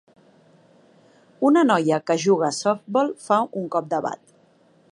Una noia que juga a softbol fa un cop de bat.